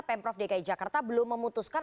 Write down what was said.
pemprov dki jakarta belum memutuskan